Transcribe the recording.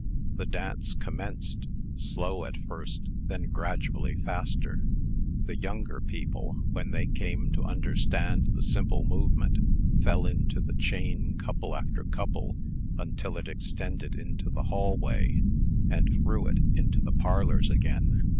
The dance commenced, slow at first, then gradually faster. The younger people, when they came to understand the simple movement, fell into the chain couple after couple, until it extended into the hallway, and through it into the parlors again.